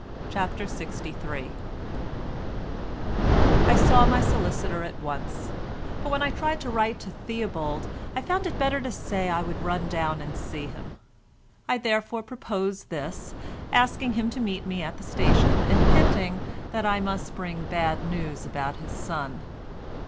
CHAPTER LXIII I saw my solicitor at once, but when I tried to write to Theobald, I found it better to say I would run down and see him. I therefore proposed this, asking him to meet me at the station, and hinting that I must bring bad news about his son.